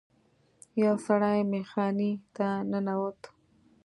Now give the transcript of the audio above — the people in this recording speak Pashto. یو سړی میخانې ته ننوت.